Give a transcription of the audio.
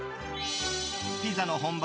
ピザの本場